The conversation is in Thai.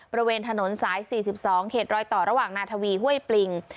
บริเวณถนนซ้ายสี่สิบสองเขตรอยต่อระหว่างนาทวีห้วยปลิง